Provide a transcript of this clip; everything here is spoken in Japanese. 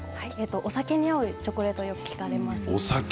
お酒に合うチョコレートをよく聞かれます。